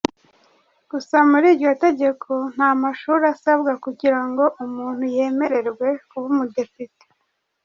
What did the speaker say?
Gusa muri iryo tegeko nta mashuri asabwa kugira ngo umuntu yemererwe kuba umudepite.